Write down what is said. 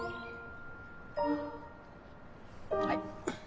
はい。